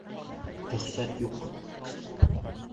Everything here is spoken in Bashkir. — Рөхсәт юҡ!